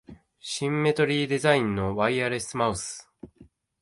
シンメトリーデザインのワイヤレスマウス